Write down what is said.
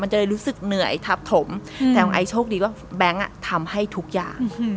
จะได้รู้สึกเหนื่อยทับถมแต่ไอโชคดีว่าแบงค์ทำให้ทุกอย่าง